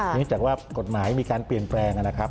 เนื่องจากว่ากฎหมายมีการเปลี่ยนแปลงนะครับ